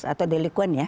atau delikuen ya